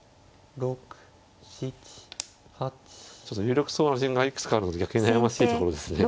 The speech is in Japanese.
有力そうな順がいくつかあるので逆に悩ましいところですね。